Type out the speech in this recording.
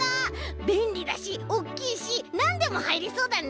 べんりだしおっきいしなんでもはいりそうだね！